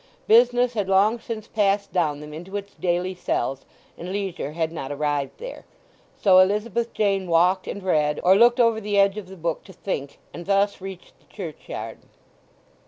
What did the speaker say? Business had long since passed down them into its daily cells, and Leisure had not arrived there. So Elizabeth Jane walked and read, or looked over the edge of the book to think, and thus reached the churchyard.